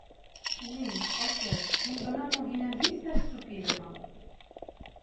— Ни, әсәй, мин бынан һуң һинән һис тә сүп йыйҙырмам.